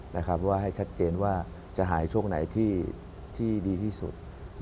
เพราะว่าให้ชัดเจนว่าจะหายช่วงไหนที่ดีที่สุด